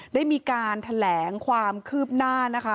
ได้มีการแถลงความคืบหน้านะคะ